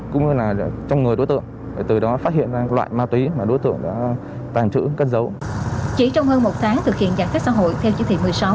chỉ trong hơn một tháng thực hiện giải phép xã hội theo chữ thị một mươi sáu